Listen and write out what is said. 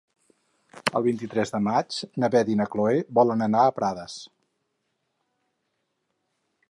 El vint-i-tres de maig na Beth i na Chloé volen anar a Prades.